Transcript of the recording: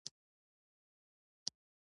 روښانیانو په پښتونخوا کې دوام وکړ.